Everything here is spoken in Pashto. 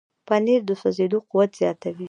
پنېر د سوځېدو قوت زیاتوي.